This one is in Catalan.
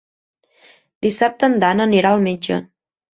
Dissabte en Dan anirà al metge.